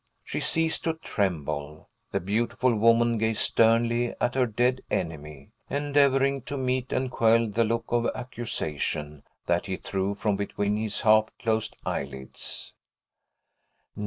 She ceased to tremble; the beautiful woman gazed sternly at her dead enemy, endeavoring to meet and quell the look of accusation that he threw from between his half closed eyelids.